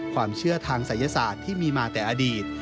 ความเชื่อทางศัยศาสตร์ที่มีมาแต่อดีต